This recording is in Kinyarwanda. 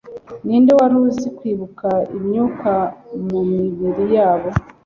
ninde wari uzi kwibuka imyuka mumibiri yabo